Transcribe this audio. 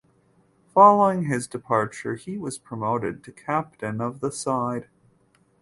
Following his departure he was promoted to captain of the side.